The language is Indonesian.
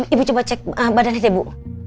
ibu coba cek badannya deh bu